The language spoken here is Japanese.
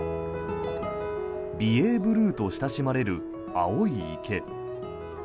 美瑛ブルーと親しまれる青い池。